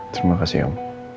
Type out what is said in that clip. terima kasih om